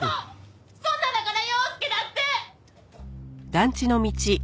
そんなだから洋輔だって！